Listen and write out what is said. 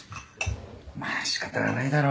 まっ仕方がないだろ。